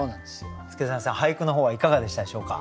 祐真さん俳句の方はいかがでしたでしょうか？